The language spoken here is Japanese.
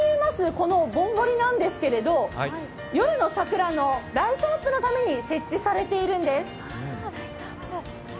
このぼんぼりなんですけど夜の桜のライトアップのために設置されているんです。